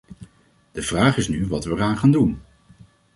De vraag is nu wat we eraan gaan doen.